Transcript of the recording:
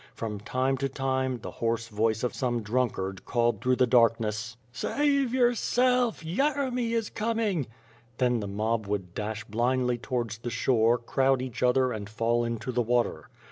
From time to time, the hoarse voice of some drunk ard called through the darkness: "Save yourself, Yeremy is coming P' Then the mob would dash blindly towards the shore, crowd each other and fall into the water.